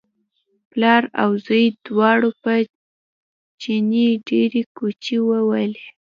پلار او زوی دواړو په چیني ډېرې کوچې وویلې.